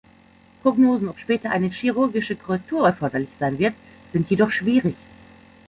Prognosen, ob später eine chirurgische Korrektur erforderlich sein wird, sind jedoch schwierig.